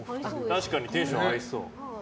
確かにテンション合いそう。